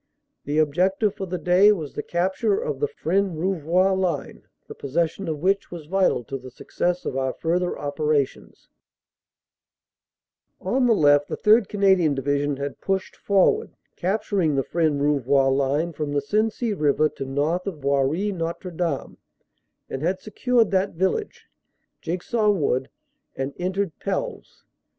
The objective for the day was the cap ture of the Fresnes Rouvroy line, the possession of which was vital to the success of our further operations. 133 134 CANADA S HUNDRED DAYS "On the left the 3rd. Canadian Division had pushed for ward, capturing the Fresnes Rouvroy line from the Sensee river to north of Boiry Notre Dame, and had secured that village, Jigsaw Wood and entered Pelves.